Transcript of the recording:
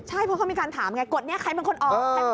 ใช่เพราะเขามีการถามไงกฎนี้ใครเป็นคนออก